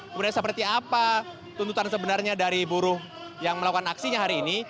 kemudian seperti apa tuntutan sebenarnya dari buruh yang melakukan aksinya hari ini